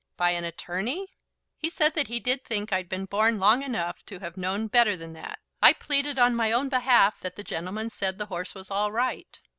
"By an attorney!" "He said that he did think I'd been born long enough to have known better than that! I pleaded on my own behalf that the gentleman said the horse was all right.